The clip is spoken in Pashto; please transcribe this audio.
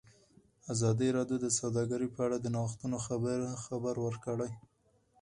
ازادي راډیو د سوداګري په اړه د نوښتونو خبر ورکړی.